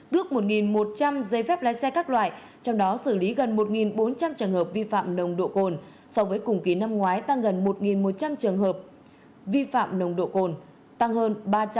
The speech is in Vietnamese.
tước một một trăm linh giấy phép lái xe các loại trong đó xử lý gần một bốn trăm linh trường hợp vi phạm nồng độ cồn so với cùng kỳ năm ngoái tăng gần một một trăm linh trường hợp vi phạm nồng độ cồn tăng hơn ba trăm tám mươi